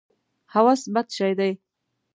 هوس بد شی دی.